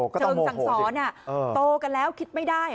เชิงสังสรรค์โตกันแล้วคิดไม่ได้